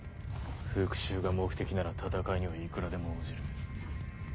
復讐が目的なら戦いにはいくらでも応じる。